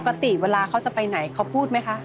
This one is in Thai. ปกติเวลาเขาจะไปไหนเขาพูดไหมคะ